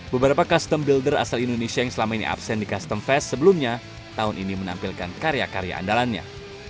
beberapa custom builder asal indonesia yang selama ini absen di custom fest sebelumnya tahun ini menampilkan karya karya andalannya